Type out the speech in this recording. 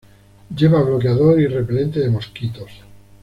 Lleva bloqueador y repelente de mosquitos.